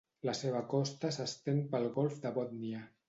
La seva costa s'estén pel Golf de Bòtnia.